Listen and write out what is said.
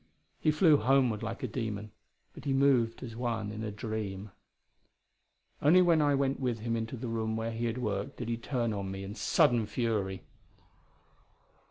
He flew homeward like a demon, but he moved as one in a dream. Only when I went with him into the room where he had worked, did he turn on me in sudden fury.